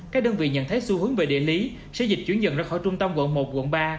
các đơn vị nhận thấy xu hướng về địa lý sẽ dịch chuyển dần ra khỏi trung tâm quận một quận ba